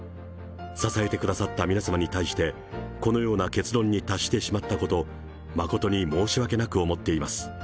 支えてくださった皆様に対して、このような結論に達してしまったこと、誠に申し訳なく思っています。